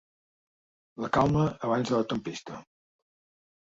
La calma abans de la tempesta.